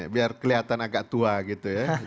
biar kelihatan agak tua gitu ya